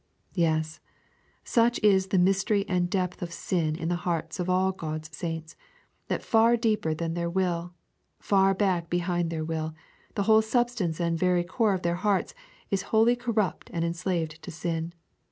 Yes: such is the mystery and depth of sin in the hearts of all God's saints, that far deeper than their will, far back behind their will, the whole substance and very core of their hearts is wholly corrupt and enslaved to sin.